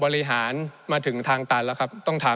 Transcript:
ในช่วงที่สุดในรอบ๑๖ปี